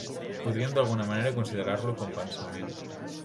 Podríem d'alguna manera considerar-lo com pensament.